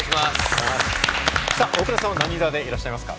大倉さんは何座でいらっしゃいますか？